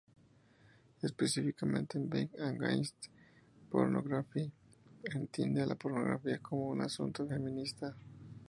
Específicamente, en "Being Against Pornography", entiende a la pornografía como un asunto feminista.